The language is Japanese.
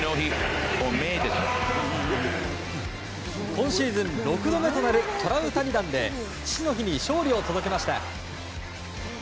今シーズン６度目となるトラウタニ弾で父の日に勝利を届けました。